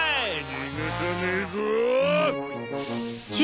逃がさねえぞ！